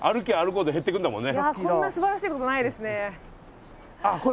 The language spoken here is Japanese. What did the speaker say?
いやこんなすばらしいことないですね。